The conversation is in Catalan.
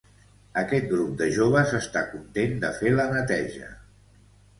Aquest grup de joves està content de fer la neteja.